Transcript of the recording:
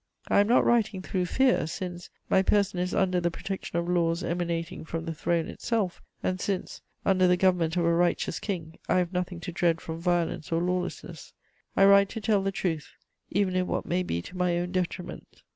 I am not writing through fear, since my person is under the protection of laws emanating from the Throne itself, and since, under the government of a righteous king, I have nothing to dread from violence or lawlessness.... I write to tell the truth, even in what may be to my own detriment!